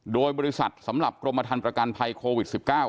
โดยบริษัทสำหรับกรมฐานประกันภัยโควิด๑๙